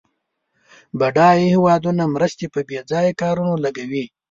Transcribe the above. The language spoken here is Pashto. بډایه هېوادونه مرستې په بیځایه کارونو لګوي.